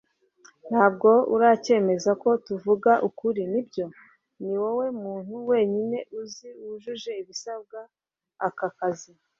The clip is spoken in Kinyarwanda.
ntabwo uracyemeza ko tuvuga ukuri, nibyo? niwowe muntu wenyine uzi wujuje ibisabwa aka kazi